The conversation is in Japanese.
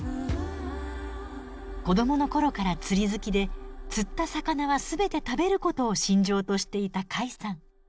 子どもの頃から釣り好きで釣った魚は全て食べることを信条としていた甲斐さん。